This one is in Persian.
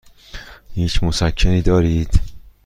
هیچ مسکنی دارید؟